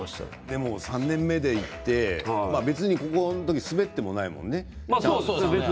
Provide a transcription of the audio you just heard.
でも３年目でいって別にここの時滑ってもいないもんね。